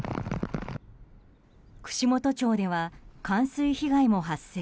串本町では冠水被害も発生。